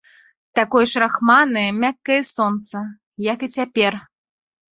Такое ж рахманае, мяккае сонца, як і цяпер.